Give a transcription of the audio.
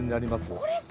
これか。